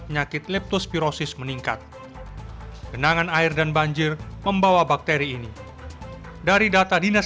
penyakit leptospirosis meningkat genangan air dan banjir membawa bakteri ini dari data dinas